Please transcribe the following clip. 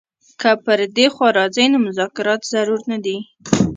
که پر دې خوا راځي نو مذاکرات ضرور نه دي.